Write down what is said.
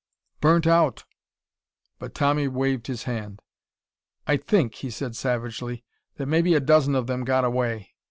"Burnt out!" But Tommy waved his hand. "I think," he said savagely, "that maybe a dozen of them got away.